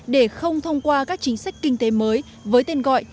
để không thông qua các chính sách kinh tế mới với tên gọi